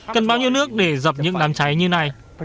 cần bao nhiêu nước để dập những đám cháy như này